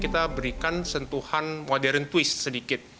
kita berikan sentuhan modern twist sedikit